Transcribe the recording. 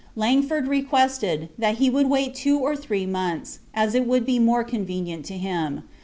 Langford requested, that he would wait two or three months, as it would be more convenient to him.